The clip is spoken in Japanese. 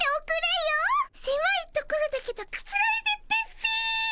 せまいところだけどくつろいでってっピィ。